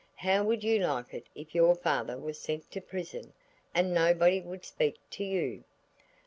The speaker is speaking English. "How would you like it if your father was sent to prison, and nobody would speak to you?"